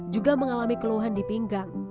juga mengalami keluhan di pinggang